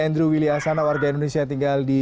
andrew wili asana warga indonesia yang tinggal di